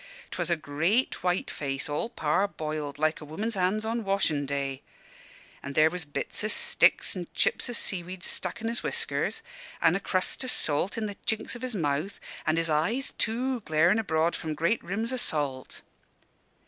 'Twas a great white face, all parboiled, like a woman's hands on washin' day. An' there was bits o' sticks an' chips o' sea weed stuck in his whiskers, and a crust o' salt i' the chinks of his mouth; an' his eyes, too, glarin' abroad from great rims o' salt.